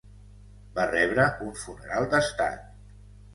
Va rebre un funeral d'estat.